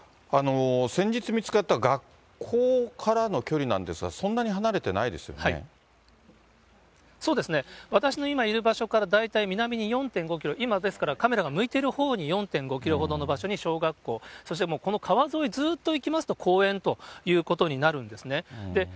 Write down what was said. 先日見つかった学校からの距離なんですが、そうですね、私のいる場所から大体南に４．５キロ、今、ですからカメラが向いてるほうに４．５キロほどの場所に小学校、そしてこの川沿い、ずっと行きますと、公園ということになるんですね。